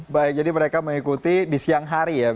baik jadi mereka mengikuti di siang hari ya